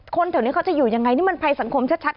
แถวนี้เขาจะอยู่ยังไงนี่มันภัยสังคมชัด